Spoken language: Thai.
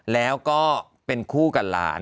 แล้วก็เป็นคู่กับหลาน